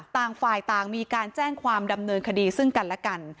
ต่างฝ่ายต่างมีการแจ้งความดำเนินคดีซึ่งกันและกัน